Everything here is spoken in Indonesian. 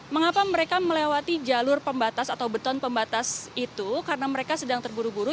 mengapa mereka melewati jalur pembatas atau beton pembatas itu karena mereka sedang terburu buru